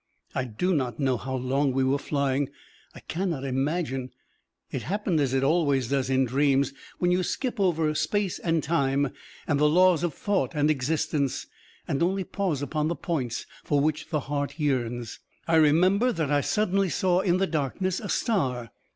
I do not know how long we were flying, I cannot imagine; it happened as it always does in dreams when you skip over space and time, and the laws of thought and existence, and only pause upon the points for which the heart yearns. I remember that I suddenly saw in the darkness a star.